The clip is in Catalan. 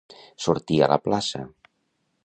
Sortir a plaça.